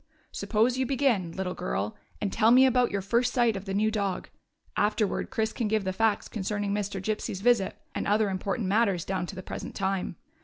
Suppose you begin, little girl, and tell me about your first sight of the new dog ; afterward Chris can give the facts concerning Mr. Gypsy's visit and other important matters down to the present time.